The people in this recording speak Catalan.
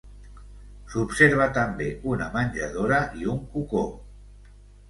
S'observa també una menjadora i un cocó.